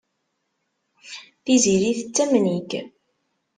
Tiziri tettamen-ik.